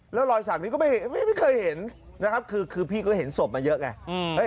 แล้วรอยสักนี้ก็ไม่เคยเห็นนะครับคือพี่ก็เห็นศพมาเยอะไง